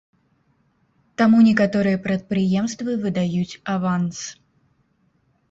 Таму некаторыя прадпрыемствы выдаюць аванс.